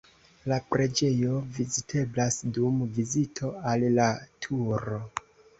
La preĝejo viziteblas dum vizito al la Turo.